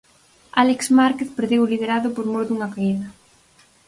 Álex Márquez perdeu o liderado por mor dunha caída.